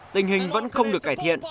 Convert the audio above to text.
tình hình vẫn không được cải thiện